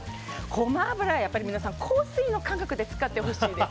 ゴマ油はやっぱり、皆さん香水の感覚で使ってほしいです。